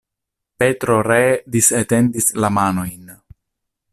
Petro ree disetendis la manojn.